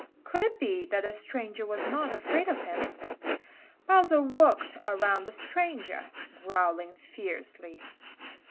Could it be that the stranger was not afraid of him? Bowser walked around the stranger, growling fiercely.